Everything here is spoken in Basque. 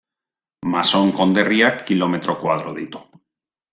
Mason konderriak kilometro koadro ditu.